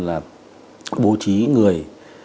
là bố trí người